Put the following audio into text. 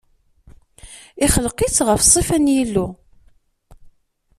ixelq-it ɣef ṣṣifa n Yillu.